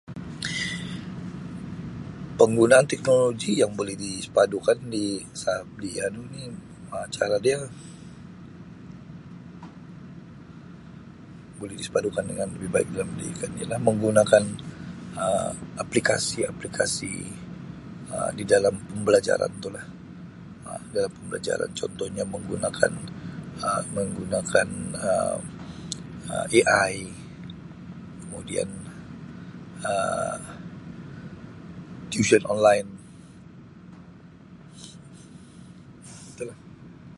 Penggunaan teknologi yang buli disepadukan di sab di anu ni Um cara dia buli disepadukan dengan lebih baik dalam pendidikan ialah menggunakan Um aplikasi-aplikasi Um di dalam pembelajaran tu la dalam pembelajaran contohnya menggunakan Um menggunakan Um AI kemudian Um tuisyen online itu lah.